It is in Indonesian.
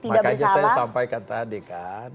maka aja saya sampaikan tadi kan